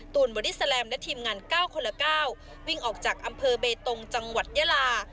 ตูนบอดี้แซลัมและทีมงานเก้าคนละเก้าวิ่งออกจากอำเภอเบตรงจังหวัดยะลา